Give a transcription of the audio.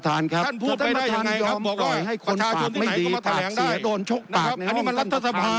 ท่านประธานยอมปล่อยให้คนปากไม่ดีปากเสียโดนชกปากในห้องรัฐสภา